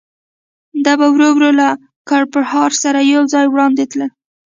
ډبه ورو ورو له کړپهار سره یو ځای وړاندې تلل.